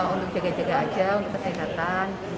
untuk jaga jaga aja untuk kesehatan